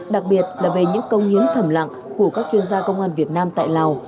đặc biệt là về những công hiến thầm lặng của các chuyên gia công an việt nam tại lào